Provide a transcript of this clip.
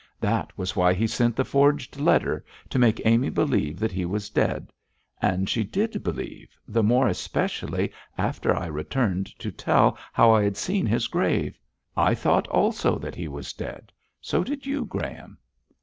That was why he sent the forged letter to make Amy believe that he was dead. And she did believe, the more especially after I returned to tell how I had seen his grave. I thought also that he was dead. So did you, Graham.'